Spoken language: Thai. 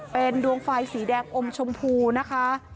เป็นดวงไฟสีแดงอมชมพูนะคะ